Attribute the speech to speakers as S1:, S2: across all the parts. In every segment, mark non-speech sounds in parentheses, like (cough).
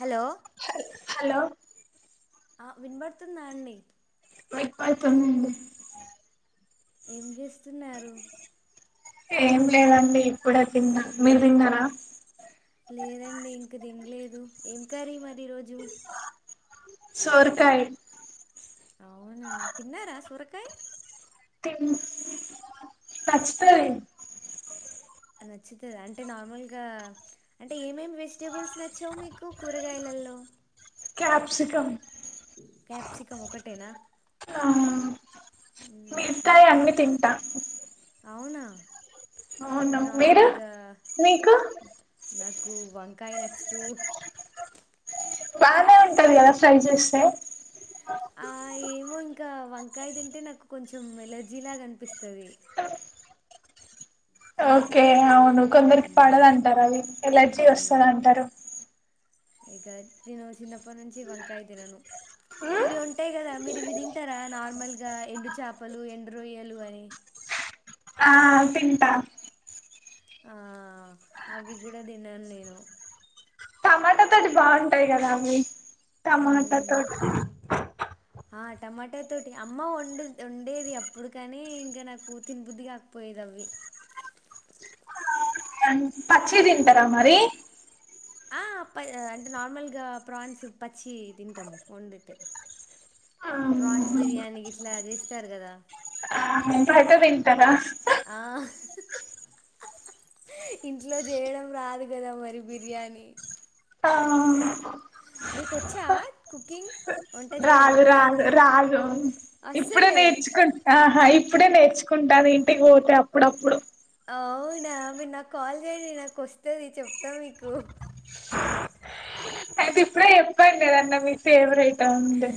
S1: Hello
S2: hello
S1: ఆ విన్బడ్తుంద అండి
S2: వినపడుతుందండి
S1: ఏం జేస్తున్నారు
S2: ఏం లేదండి ఇప్పుడే తిన్న మీరు తిన్నారా
S1: లేదండి ఇంక తినలేదు ఏం కారీ మరి ఈరోజు
S2: సోర కాయ్
S1: కాయ్
S2: తిన్ నచ్చుతది
S1: నచ్చుతదా అంటే నార్మల్గా అంటే ఏమేమి వెజిటేబుల్స్ నచ్చావు మీకు కూరగాయ్లా లో
S2: క్యాప్సికం
S1: క్యాప్సికం ఒకటేనా
S2: ఆ
S1: మ్మ్
S2: మిగతాయి అన్ని తింటా
S1: అవునా
S2: అవును
S1: అంటే
S2: మీరు
S1: నార్మల్గా
S2: మీకు
S1: నాకు వంకాయ్ నచ్చదు
S2: బానే ఉంటది కదా ఫ్రై చేస్తే
S1: ఆ ఏమో ఇంకా వంకాయ తింటే నాకు కొంచెం ఎలర్జీ లాగనిపిస్తది
S2: ఓకే అవును కొందరికి
S1: మ్మ్
S2: పడదంటారు అది ఎలర్జీ వస్తదంటారు
S1: ఇగ నేను చిన్నప్పట్నుంచి వంకాయ్ తినను
S2: ఉమ్
S1: ఇవి ఉంటాయి కదా మీరు ఇవి తింటారా నార్మల్గా ఎండు చపలు ఎండు రొయ్యలు అని
S2: ఆ తింటా
S1: ఆ అవి కూడా తిన్నాన్ నేను
S2: బాగుంటాయ్ కదా అవి టమాటా
S1: మ్మ్
S2: తోట్
S1: ఆ టమాటా తోటి అమ్మ వొండే వొండేది అప్పుడు కాని ఇంకా నాకు తిన బుద్ధి కాకపోయేదప్ అవి
S2: పచ్చియి తింటారా మరీ
S1: ఆ ప అంటే నార్మల్గా ప్రాన్స్ పచ్చియి తింటాము వండితే ప్రాన్స్
S2: ఆహా
S1: బిర్యానీ గిట్లా చేస్తారు గదా
S2: అట్లా తింటార
S1: ఇంట్లో చేయడం రాదు గదా మరి బిర్యానీ
S2: ఆ
S1: మీకొచ్చా కుకింగ్ వంట చేయడం
S2: రాదు రాదు రాదు ఇప్పుడే
S1: అస్సలే
S2: నేర్చుకుంటా ఇప్పుడే నేర్చుకుంటా ఇంటికి పోతే అప్పుడప్పుడు
S1: అవునా మీరు నాకు కాల్ చేయండి నాకు వస్తది చెప్తా మీకు
S2: అయితే ఇప్పుడే చెప్పండి ఎదన్న మీ ఫేవరెట్ ఉంటే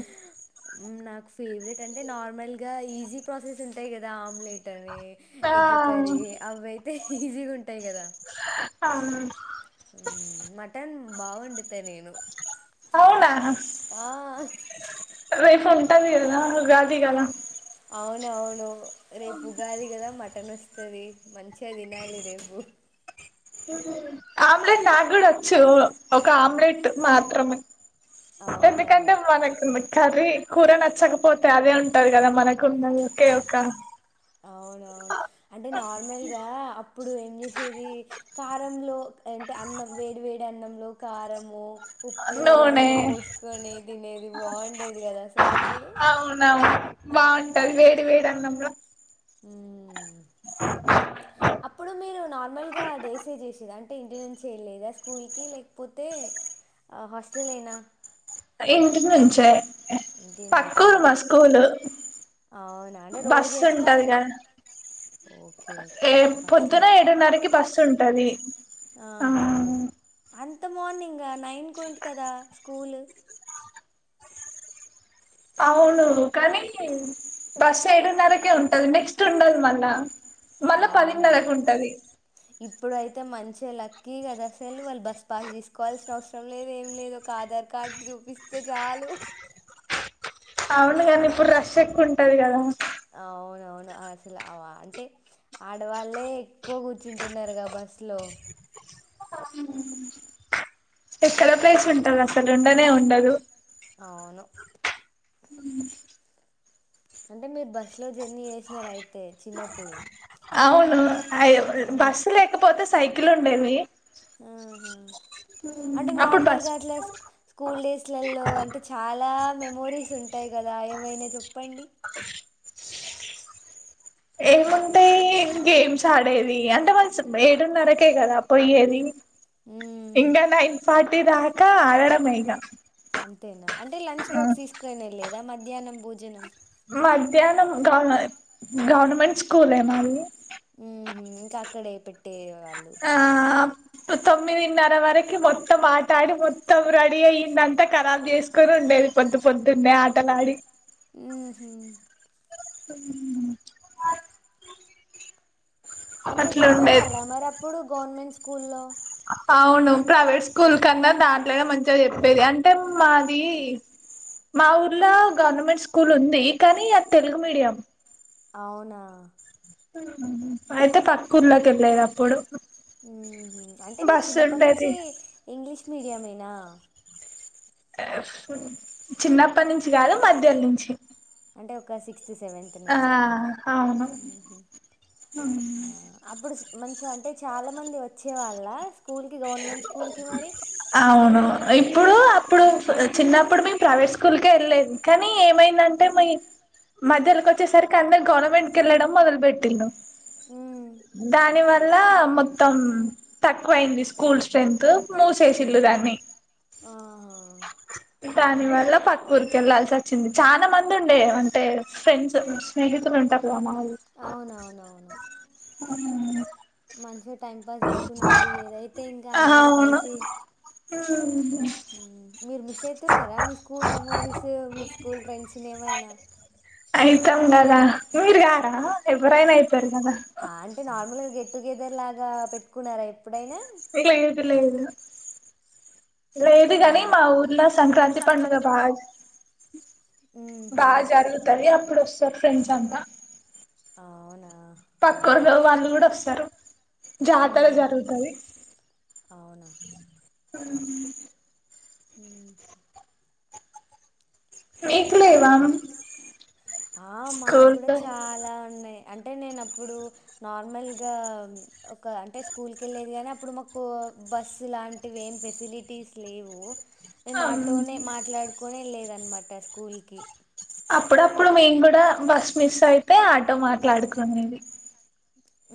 S1: నాకు ఫేవరెట్ అంటే నార్మల్గా ఈజీ ప్రాసెస్ ఉంటాయి కదా ఆమ్లెట్ అని
S2: ఆ
S1: ఎగ్ కర్రీ అవి అయితే ఈజీగా ఉంటాయి కదా
S2: ఆ
S1: ఉమ్ మటన్ బా వండుతా నేను
S2: అవునా
S1: ఆ
S2: రేపు ఉంటాది గదా ఉగాది కదా
S1: అవునవును రేపు ఉగాది గదా మటన్ వస్తది మంచిగా తినాలి రేపు
S2: ఆమ్లెట్ నాకు గూడా వచ్చు ఒక ఆమ్లెట్ మాత్రమే
S1: అవునా
S2: ఎందుకంటే మనకు మ కర్రీ కూర నచ్చకపోతే అదే ఉంటది కదా మనకు ఉన్నది ఒకే ఒక్క
S1: అవునవును అంటే నార్మల్గా అప్పుడు ఏం చేసేది కారంలో అంటే అన్నం వేడి వేడి అన్నంలో కారము ఉప్పు,
S2: నూనె
S1: పోసుకొని తినేది బాగుండేది గదా అసల
S2: అవునవును బాగుంటది వేడి వేడి అన్నంల
S1: మ్మ్ అప్పుడు మీరు నార్మల్గా డేసే చేసేద ఇంటి నుంచి ఎల్లేదా స్కూల్ కి లేకపోతే హాస్టలేనా
S2: ఇంటి నుంచే
S1: ఇంటి
S2: పక్క ఊరు
S1: నుంచేనా?
S2: మా స్కూలు
S1: అవునా అంటె
S2: బస్సు
S1: రోజెట్లా
S2: ఉంటది కదా
S1: ఓకే.
S2: ఏ
S1: ఓకే.
S2: పొద్దున
S1: బస్‌లో
S2: ఏడున్నరకి బస్సు ఉంటది ఆ
S1: ఆహా అంత మార్నింగ్ నైన్కు ఉంటద్ కదా స్కూల్
S2: అవును కానీ బస్సు ఎడున్నరకే ఉంటది నెక్స్ట్ ఉండాదు మళ్ళా మళ్ళా పదిన్నరకు ఉంటది
S1: ఇప్పుడయితే మంచిగా లక్కీ కదా అసలు వాళ్ళు బస్ పాస్ తీసుకోవాల్సిన అవసరం లేదు ఏం లేదు ఒక ఆధార్ కార్డ్ ర్డు చూపిస్తే చాలు
S2: అవునుగాని ఇప్పుడు రష్ ఎక్కుంటది కదా
S1: అవునవును అవు అసలు అంటే ఆడవాళ్ళే ఎక్కువ కూర్చుంటున్నారుగా బస్ లో
S2: ఎక్కడ ప్లేస్ ఉంటది అసలు ఉండనే ఉండదు
S1: అవును అంటే మీరు బస్ లో జర్నీ చెసినార అయితే చిన్నప్పుడు
S2: అవునుఅయ్
S1: అవును
S2: బస్సు లేకపోతే సైకిల్ ఉండేవి
S1: ఆహా అంటే
S2: అప్పుడు బస్
S1: నార్మల్గా అట్లా స్కూల్ డేస్లలో అంటే చాలా మెమోరీస్ ఉంటాయి గదా ఏమైనా చెప్పండి
S2: ఏముంటాయి గేమ్స్ ఆడేది అంటే వాళ్లు ఏడున్నరకే కదా పోయ్యేది
S1: మ్మ్.
S2: ఇంకా నైన్ ఫార్టీ దాక ఆగడమే ఇంకా
S1: అంతేనా అంటే లంచ్ బాక్స్ తీసుకునే ఎల్లెదా మధ్యాహ్నం భోజనంకు
S2: మధ్యాహ్నం గవ్ గవర్నమెంట్ స్కూలే మాది
S1: ఉ ఇంకా అక్కడే పెట్టే వాళ్ళు
S2: ఆ తొమ్మిదిన్నర వరకు మొత్తం ఆట ఆడి మొత్తం రెడీ అయ్యిదంత ఖరాబ్ చేసుకొని ఉండేది అంత పొద్దున్నే ఆటలాడి
S1: ఉమ్ ఉమ్ మంచిగా
S2: అట్లా
S1: చెప్పే
S2: ఉండేది
S1: వాళ్ళ మరి అప్పుడు గవర్నమెంట్ స్కూల్లో
S2: అవును ప్రైవేట్ స్కూల్ కన్నా దాంట్లోనే మంచిగా చెప్పేది అంటే మాది మా ఊర్లో గవర్నమెంట్ స్కూల్ ఉంది కానీ అద్ తెలుగు మీడియం
S1: అవునా
S2: అయితే పక్కకూర్లకెళ్లేది అప్పుడు
S1: మ్ హు అంటే మీరు
S2: బస్సు ఉండేది
S1: చిన్నపటినుండి ఇంగ్లీష్ మీడియమేనా
S2: చిన్నప్పట్నుంచి గాదు మధ్యల్నుంచి
S1: అంటే ఒక సిక్స్త్ స్త్ సెవెంత్ నుంచా
S2: అవును
S1: ఓహో అప్పుడు సిక్ మంచిగా అంటే చాలా మంది వచ్చే వాళ్ళ
S2: అవును ఇప్పుడు అప్ ఇప్పుడు చిన్నప్పుడు మేం ప్రైవేట్ స్కూల్కే ఏళ్లేదు కానీ ఏమైందంటే మీ మధ్యల్కొచ్చేసరికి అందరు గవర్నమెంట్ కెళ్ళడం మొదలబెట్టిరు
S1: హ్మ్.
S2: దాని వల్ల మొత్తం తక్కువైంది స్కూ స్కూల్ స్ట్రెంత్ ముషీషిరు దాన్ని
S1: ఆ
S2: దాని వల్ల పక్కూర్ కెళ్లాల్సి వొచ్చింది చానా మందుండే అంటే ఫ్రెండ్స్ స్నేహిత్ (unintelligible) మా
S1: అవునవునవును
S2: ఆ
S1: టైం పాస్ జేస్కుంట ఏదైతే ఇంకా అందరు
S2: అవును
S1: కలిసి మ్ మీరు మిస్సైయితున్నరా మీ స్కూల్ మెమోరీసు మీ స్కూల్ ఫ్రెండ్స్ ని ఏమైనా
S2: ఐ ఉన్నారా మీర్ గారా ఎవరైనా ఐతరు కదా
S1: ఆ! అంటే నార్మల్‌గా గెట్ టుగెదర్ లాగా పెట్టుకున్నారా ఎప్పుడైనా
S2: ఇగేది లేదు లేదు గని మా
S1: హుహు.
S2: ఊర్లో సంక్రాంతి పండుగ బాగ్
S1: హుహు.
S2: బాగ్ జరుగుతది అప్పుడొస్తారు ఫ్రెండ్స్ అంతా
S1: ఆవునా
S2: పక్క (unintelligible) వాళ్ళు కూడా వొస్తరు జాతర
S1: హుహు.
S2: జరుగుతది
S1: అవునా! ఊ
S2: మీకు లేవా
S1: ఆ మా గూడా
S2: స్కూల్లో
S1: చాలా ఉన్నయి అంటే నేను అప్పుడు నార్మల్గా ఒక అంటే స్కూల్కెళ్ళేది గానీ అప్పుడు మాకు బస్సు లాంటివి ఏం ఫెసిలిటీస్ లేవు మేం ఆటోనే మాట్లాడుకోనేల్లేదన్మాట స్కూల్ కి
S2: అప్పుడప్పుడు మేం గూడా బస్ మిస్ అయితే ఆటో మాట్లాడుకునేది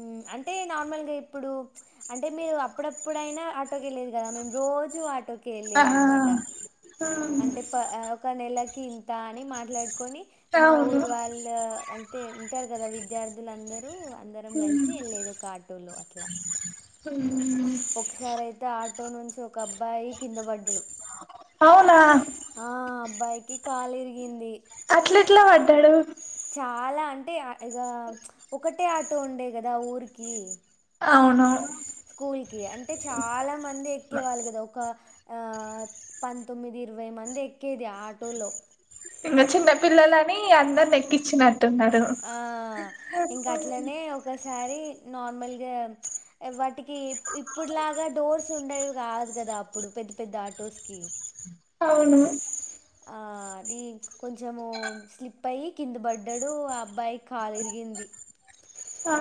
S1: మ్ అంటే నార్మల్గా ఇప్పుడు అంటే మీరు అప్పుడప్పుడైనా ఆటోకెళ్లేది గదా మేం రోజు జూ ఆటోక్
S2: ఆ
S1: కెళ్లేదన్మాట అంటే పా ఒక నెలకి ఇంతాని మాట్లాడు కొని మా
S2: అవును
S1: ఊరు వాళ్ళు అంటే ఉంటారు గదా విద్యార్థులందరు అందరం గల్సి ఎల్లేది ఒకాటోలో అట్లా ఒకసారైతే ఆటో నుంచి ఒక అబ్బాయి కింద వడ్డడు
S2: అవునా
S1: బాయికి కాలిరిగింది
S2: అట్లేట్ల వడ్డడు
S1: చాలా అంటే ఇగ ప్చ్ ఒకటే ఆటో ఉండే గదా ఊరికి
S2: అవును
S1: స్కూల్ కి అంటే చాలా మంది ఎక్కేవాళ్ళు గదా ఒక ఆ పంతొమ్మిది ఇరవై మంది ఎక్కేది ఆటోలో
S2: ఇంగ చిన్న పిల్లలని అందర్నెక్కించిన
S1: ఆ ఇంక అట్లనే ఒకసారి నార్మల్ గా వాటికి ఇప్ ఇప్పట్లాగ డోర్స్ ఉండేవి కాదు గద అప్పుడు పెద్ పెద్ ఆటోస్ కి
S2: ఔను
S1: ఆ కొంచము స్లిప్ అయ్యి కింద బడ్డడు ఆ అబ్బాయి కాలురిగింది (inaudible)
S2: ఆ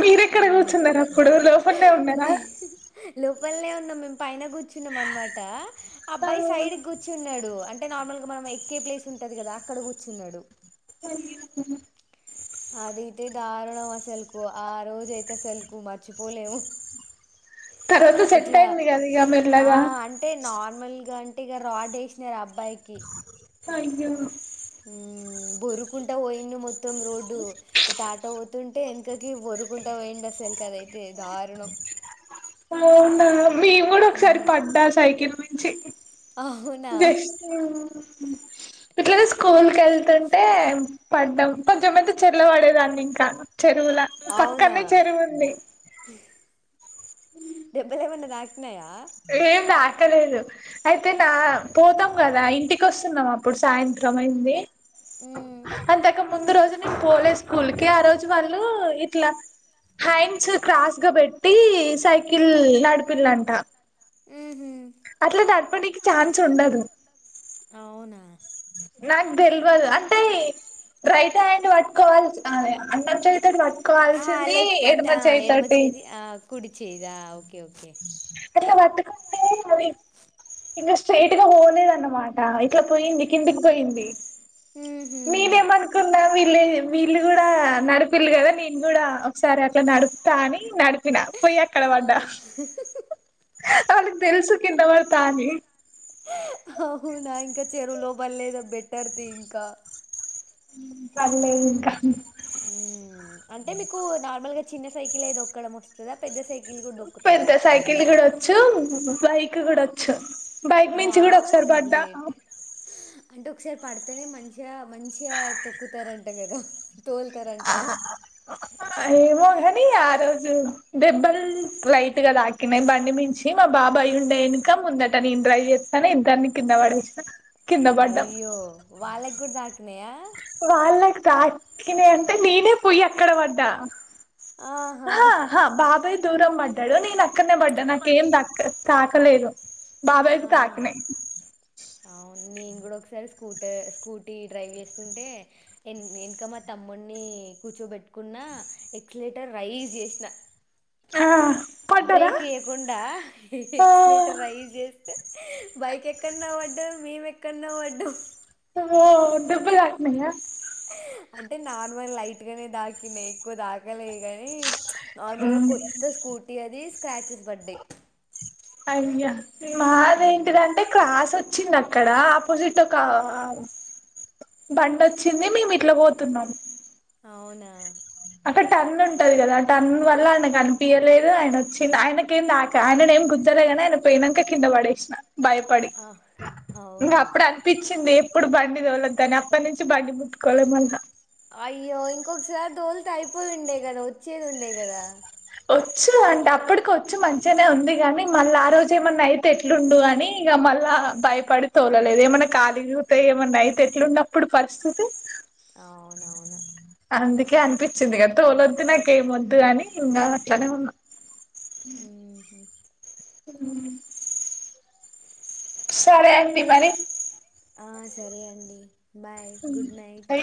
S2: మీరెక్కడ కుర్చున్నరు అప్పుడు లోపట్నే ఉన్నర
S1: లొపల్నే ఉన్నం మేమ్ పైన కూర్చున్నం అన్మాట
S2: ఆ
S1: అబ్బాయి సైడ్ గుర్చున్నడు అం టే నార్మల్ గా మనం ఎక్కే ప్లేస్ ఉంటది గద అక్కడ కుర్చున్నడు అదైతే దారుణం అసల్కు ఆ రోజైతే అసల్కు మర్చిపొలెం
S2: తర్వాత సెట్
S1: ఇట్ల
S2: అయింది కదా ఇక
S1: ఆ
S2: మెల్లగా
S1: అంటే నార్మల్గ టిగ రాడ్ ఏశినర్ అబ్బాయికి
S2: అయ్యో
S1: హుమ్ బొర్రుకుంట వొయిండు మొత్తం రోడ్డు ఇట్ ఆటో వొతుంటే ఏనుకకి బొర్రుకుంట పోయిండు అసల్ ఇంకదైతే దారుణం
S2: అవునా మేమ్ గుడ ఒకసారి
S1: మ్మ్.
S2: పడ్డా సైకిల్ మించి
S1: అవునా
S2: బెష్ట్ ఇట్ల స్కూల్ కెళ్తుం టే పడ్డం కొంచెం అయితే చెర్లపడేదాన్ని ఇంక చెరువుల
S1: అవునా
S2: పక్కనే చెరువు ఉంది
S1: దెబ్బలేమన్న తాక్
S2: ఏం తా కలేదు అయితే నా పోతం గద ఇంటికి వస్తున్నం అప్పుడు సాయంత్రం అయింది
S1: ఉహు
S2: అంతక్ ముందు రోజు నేన్ పొలే స్కూల్ కి ఆ రోజు వాళ్ళు ఇట్ల హ్యాండ్స్ క్రాస్ గ పెట్టి సైకిల్ నడిపిలంట అట్ల నడ్పనికి ఛాన్స్ ఉండదు
S1: ఔనా
S2: నాక్ దెల్వద్ అంటే రైట్ హ్యాండ్ పట్టుకోవల్ అ అన్నం చేత్
S1: ఆ లేఫ్ట్ అంత్ ఆ
S2: చేయితోటి
S1: ఎడమచెది ఆ కుడిచేద ఆ ఓకే ఓకే
S2: అట్ల పట్టుకుంటే అది ఇంగ స్ట్రేట్గ పోలేదనమాట ఇట్ల పోయింది పొఇంది
S1: ఉహు
S2: మేమనుకున్నా ట్లే వీళ్ళు గుడ నడిపిల్ గద నేన్ గుడ సరే అట్ల నడుప్త అని నడిపిన పోయ్ అక్కడ
S1: ఆ
S2: పడ్డ వాళ్ళ క్ తెలుసు కింద కిందపడ్తా అని
S1: హౌనా ఇంక చెరువులో పళ్ళేదు బెట్టర్ తి ఇంకా
S2: పల్లెదింక
S1: మ్ అంటే మీకు నార్మల్గ చిన్న సైకిలే దొక్కడం ఒస్తద పెద్ద సైకి
S2: పెద్ద సైకిల్ గుడ ఒచ్చు బైక్ గుడ ఒచ్చు బైక్ మించి గుడ
S1: వామ్మో
S2: ఒక్సారి పడ్డా
S1: గ్రేట్ అంటే ఒక్సారి పడ్తనే మంచిగ మంచిగ తొక్కుతారంట గద
S2: ఏమో గని ఆ రోజు దెబ్బల్ లైట్గ దాకినయ్ బండి మించి మా బాబాయ్ ఉండే ఏన్క ముందట నేన్ డైవ్ కని ఇద్దరిని కిందపడెశిన
S1: అయ్యో వాళ్ళగుడ్ దాకిినయ
S2: వాళ్ళక్ తాక్కినయ్ అంటే నేనే పోయ్ అక్కడ వడ్డా ఆహా హ బాబాయ్ దూరం బడ్డడు నేన్ అక్కనే బడ్డ నాకేం దక్ తాకలేదు
S1: ఆ
S2: బాబాయ్కి తాకినాయి
S1: ఔన్ నేన్ గుడ ఒక్సారి స్కూటె స్కూటీ డ్రైవ్ చేస్తుంటే ఎన్ ఏనక మా తమ్ముని కూర్చోబెట్కున్న ఆ ఎక్సలెటర్ రైస్జ్ జెశ్న
S2: ఆ పడ్డారా
S1: బ్రేకేయ్యకుండా
S2: ఆ
S1: ఎక్స్లేటర్ రై జేస్తే బైక్ ఎక్కన్నో పడ్డం మేము ఎక్కాన్నో పడ్డం
S2: ఓ దేబ్బ దాకినాయ
S1: అంటే నార్మల్ లైట్ గానే దాకినయ్ ఎక్కువ దాకలే గనీ నార్మల్గా కొత్త స్కూటీ అది స్క్రాచెస్ బడ్డయ్
S2: అయ్యా మాద ఏంటిదంటే క్రాస్ ఒచ్చింది అక్కడ ఆపోజిట్ ఒకవ్ హవ్ బండోచ్చింది మేము ఇట్లా పోతున్నాం
S1: అవునా
S2: అక్కడ టర్న్ ఉంటది గదా ఆ టర్న్ వల్ల ఆయనకు కనిపియాలేదు. ఆయన వచ్చిండు ఆయనక ఏం దాకా ఆయననే ఏం గుద్దలేగని ఆయన పోయినంక కింద పడేసిన భయపడి
S1: ఆ,
S2: ఇంకా
S1: అవునా
S2: అప్పుడే అప్పించింది ఇప్పుడు బయ బండి దొలద్దని అప్పటి నుంచి బండి ముట్టుకోలే మళ్లా
S1: అయ్యో ఇంకొకసారి దోలుతే అయిపోయిండే గదా వచ్చేది ఉండే గదా
S2: వచ్చు అంటే అప్పటికి వచ్చు మంచిగానే ఉంది గానీ మళ్ళ ఆ రోజు ఏమన్నా అయితే ఎట్లుండు గని ఇగ మళ్లా భయపడి తోలలేదు ఏమైనా కాలిగుతే ఏమన్నా అయితే ఎట్లు ఉన్నప్పుడు పరిస్థితి
S1: అవునవును
S2: అందుకే అనిపించింది క తోలొద్దు నాకేం ఒద్దు అని ఇంగ అట్లనే ఉన్నా
S1: ఉహు
S2: ఉమ్ సరే అండి మరి
S1: ఆ సరే అండి బాయ్ గుడ్ నైట్